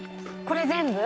これ全部？